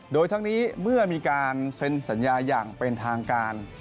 โดยทั้งนี้เมื่อมีการเซ็นสัญญาอย่างเป็นทางการ